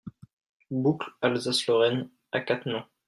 Boucle Alsace-Lorraine à Cattenom